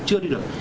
chưa đi được